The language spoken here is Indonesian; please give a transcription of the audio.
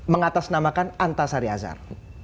mengatasnamakan antasari azhar